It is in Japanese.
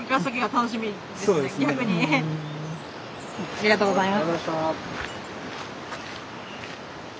ありがとうございます。